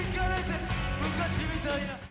「昔みたいな」